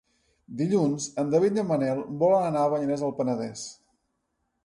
Dilluns en David i en Manel volen anar a Banyeres del Penedès.